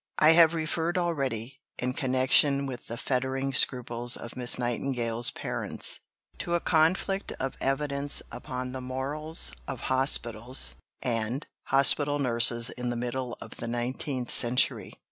I have referred already, in connection with the fettering scruples of Miss Nightingale's parents, to a conflict of evidence upon the morals of hospitals and hospital nurses in the middle of the nineteenth century.